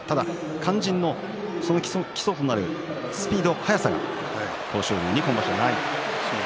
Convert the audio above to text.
肝心の基礎となるスピード、速さでは豊昇龍に今場所ない。